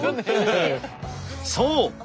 そう！